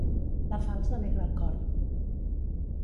La falç alegra el cor.